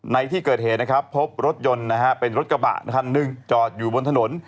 ในที่เกิดเหตุพบรถยนต์เป็นรถกระบะหนึ่งจอดอยู่บนถนน